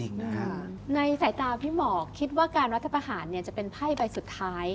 อเรนนี่ในสายตาพี่หมอคิดว่าการวัฒนภาษณ์จะเป็นไพ่ใบสุดท้าย